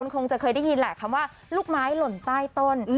คงจะเคยได้ยินแหละคำว่าลูกไม้หล่นใต้ต้น